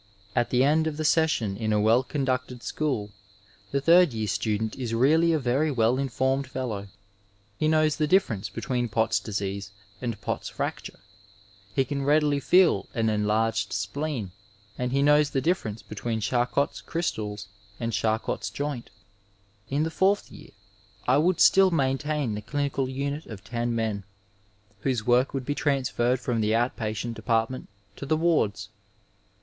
At the end of the session in a well conducted school the third year student is really a very well informed fellow. He kno¥rs the difference between Pott's disease and Pott's fracture ; he can readily feel an enlarged spleen, and he knows the difference between Ciharcot's crystals and Charcot's joint. Li the fourth year I would still maintain the clinical unit of ten men, whose work would be transferred from the out patient department to the wards.